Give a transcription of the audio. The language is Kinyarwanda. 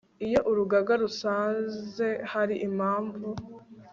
iyo urugaga rusanze hari impamvu